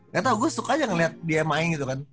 gak tau gue suka aja ngelihat dia main gitu kan